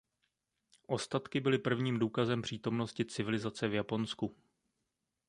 Ostatky byly prvním důkazem přítomnosti civilizace v Japonsku.